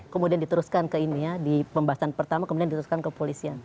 kemudian diteruskan ke ini ya di pembahasan pertama kemudian diteruskan ke polisian